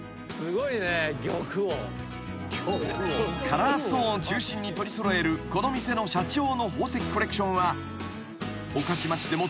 ［カラーストーンを中心に取り揃えるこの店の社長の宝石コレクションは］